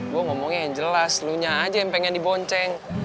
gue ngomongnya yang jelas lunya aja yang pengen dibonceng